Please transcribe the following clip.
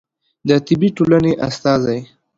د طبي ټولنې استازی